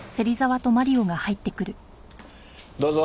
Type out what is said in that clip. どうぞ。